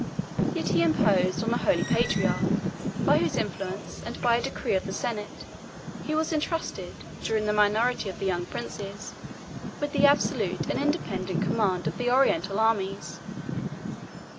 Yet he imposed on a holy patriarch, by whose influence, and by a decree of the senate, he was intrusted, during the minority of the young princes, with the absolute and independent command of the Oriental armies.